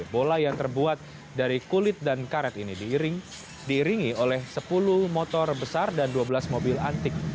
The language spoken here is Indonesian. bola yang terbuat dari kulit dan karet ini diiringi oleh sepuluh motor besar dan dua belas mobil antik